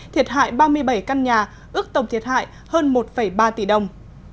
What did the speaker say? thiệt hại ba mươi bảy căn nhà ước tổng thiệt hại hơn một ba tỷ đồng